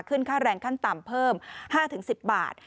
ค่าแรงขั้นต่ำเพิ่ม๕๑๐บาท